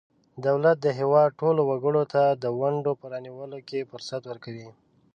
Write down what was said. دولت د هیواد ټولو وګړو ته د ونډو په رانیولو کې فرصت ورکوي.